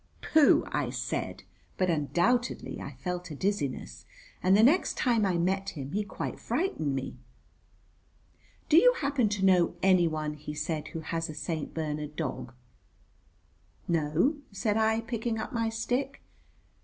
"Pooh," I said, but undoubtedly I felt a dizziness, and the next time I met him he quite frightened me. "Do you happen to know any one," he said, "who has a St. Bernard dog?" "No," said I, picking up my stick.